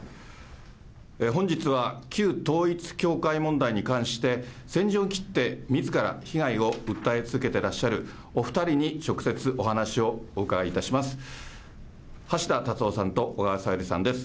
本日は旧統一教会問題に関して、先陣を切ってみずから被害を訴え続けてらっしゃるお２人に直接お話をお伺いいたします。